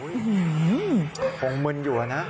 อื้อหือหงมืนอยู่อะนะ